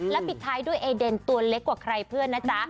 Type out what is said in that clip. และปิดท้ายด้วยเอเดนตัวเล็กกว่าใครเพื่อนนะจ๊ะ